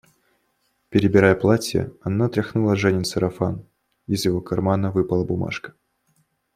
Перебирая платья, она тряхнула Женин сарафан, из его кармана выпала бумажка.